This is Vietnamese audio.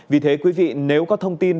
vì thế quý vị nếu có thông tin